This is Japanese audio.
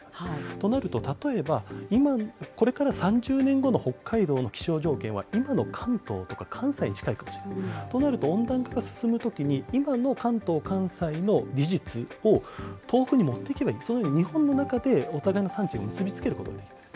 となると例えばこれから３０年後の北海道の気象条件は今の関東とか関西に近い感じとなると温暖化が進むときに、今の関東、関西の技術をに持っていけばいい、そのように日本の中でお互いの産地を結び付けることなんです。